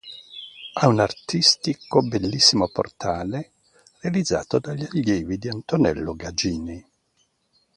Ha un artistico bellissimo "Portale" realizzato dagli allievi di Antonello Gagini.